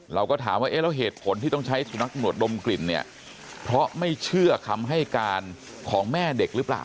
เราก็ถามว่าเอ๊ะแล้วเหตุผลที่ต้องใช้สุนัขหนวดดมกลิ่นเนี่ยเพราะไม่เชื่อคำให้การของแม่เด็กหรือเปล่า